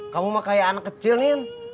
kamu mah kayak anak kecil nih